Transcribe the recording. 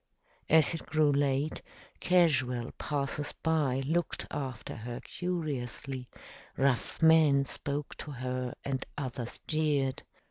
As it grew late, casual passers by looked after her curiously, rough men spoke to her, and others jeered.